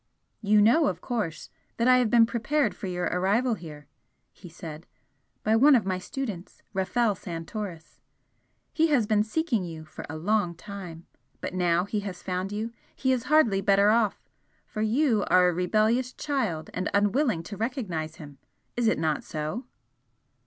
"You know, of course, that I have been prepared for your arrival here," he said "by one of my students, Rafel Santoris. He has been seeking you for a long time, but now he has found you he is hardly better off for you are a rebellious child and unwilling to recognise him is it not so?"